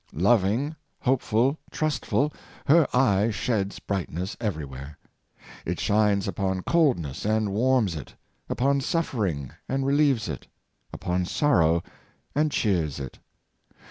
Loving, hopeful, trustful, her eye sheds bright ness everywhere. It shines upon coldness and warms it, upon suffering and relieves it, upon sorrow and cheers it.